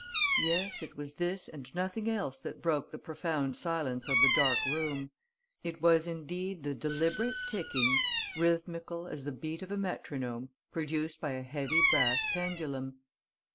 Yes, it was this and nothing else that broke the profound silence of the dark room; it was indeed the deliberate ticking, rhythmical as the beat of a metronome, produced by a heavy brass pendulum.